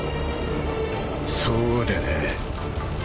そうだな。